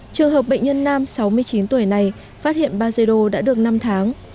trường hợp bệnh nhân nam sáu mươi chín tuổi này phát hiện bajedo đã được năm tháng